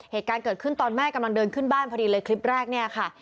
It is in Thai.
เหตุการณ์เกิดขึ้นตอนแม่กำลังเดินขึ้นบ้านพอดีเลยคลิปแรกเนี่ยค่ะ